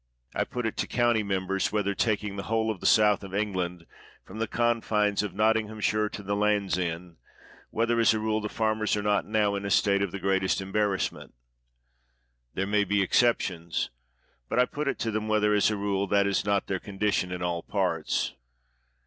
I put it to county members, whether — taking the whole of the south of England, from the confines of Nottinghamshire to the Land's End — whether, as a rule, the farmers are not now in a state of the greatest embarrass ment? There may be exceptions; but I put it to them whether, as a rule, that is not their con dition in all parts?